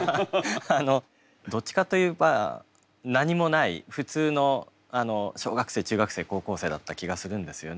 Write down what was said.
どっちかといえば何もない普通の小学生中学生高校生だった気がするんですよね。